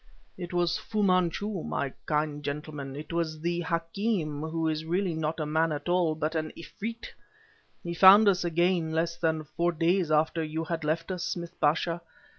"It was Fu Manchu, my kind gentlemen it was the hakim who is really not a man at all, but an efreet. He found us again less than four days after you had left us, Smith Pasha!...